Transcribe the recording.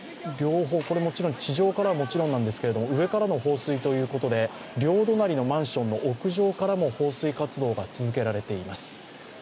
地上からはもちろんなんですが、上からも放水ということで両隣のマンションの屋上からも放水活動が続けられています。